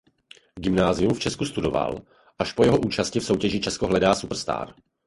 Gymnázium v Česku dostudoval až po jeho účasti v soutěži Česko hledá Superstar.